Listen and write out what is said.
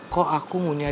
kok aku ngunyai